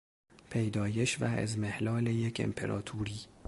پیدایش و اضمحلال یک امپراطوری